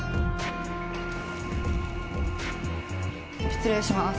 失礼します